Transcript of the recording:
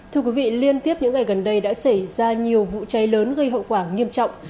thưa quý vị liên tiếp những ngày gần đây đã xảy ra nhiều vụ cháy lớn gây hậu quả nghiêm trọng